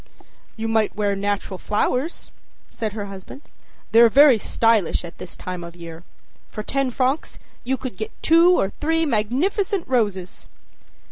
â âYou might wear natural flowers,â said her husband. âThey're very stylish at this time of year. For ten francs you can get two or three magnificent roses.